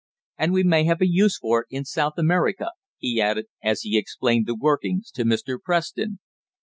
"And we may have a use for it in South America," he added as he explained the workings to Mr. Preston.